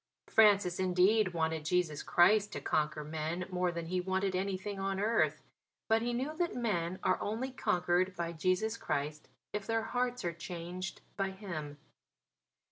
Francis, indeed, wanted Jesus Christ to conquer men more than he wanted anything on earth; but he knew that men are only conquered by Jesus Christ if their hearts are changed by Him.